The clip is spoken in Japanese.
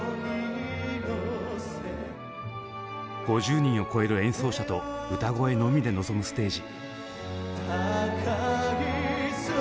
５０人を超える演奏者と歌声のみで臨むステージ。